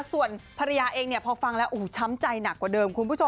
ส่วนภรรยาเองเนี่ยพอฟังแล้วช้ำใจหนักกว่าเดิมคุณผู้ชม